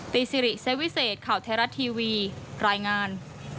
สิริเซวิเศษข่าวไทยรัฐทีวีรายงาน